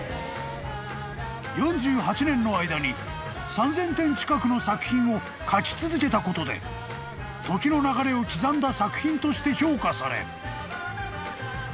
［４８年の間に３，０００点近くの作品をかき続けたことで時の流れを刻んだ作品として評価され］